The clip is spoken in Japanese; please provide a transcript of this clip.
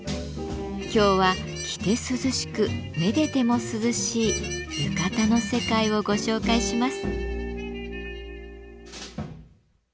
今日は着て涼しくめでても涼しい浴衣の世界をご紹介します。